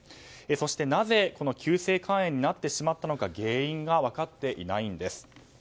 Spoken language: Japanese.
そしてなぜ、この急性肝炎になってしまったのか原因が分かっていないんです。